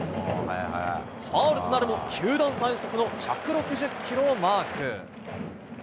ファウルとなるも球団最速の１６０キロをマーク。